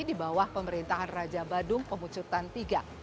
di bawah pemerintahan raja badung pemucutan iii